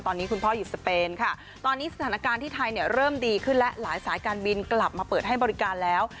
ตอนนี้คุณพ่ออยู่สเปนค่ะตอนนี้สถานการณ์ที่ไทยเนี่ยเริ่มดีขึ้นและหลายสายการบินกลับมาเปิดให้บริการแล้ว